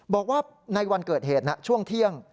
บอกว่าในวันเกิดเหตุช่วงเที่ยง